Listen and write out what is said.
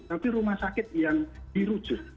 tapi rumah sakit yang dirujuk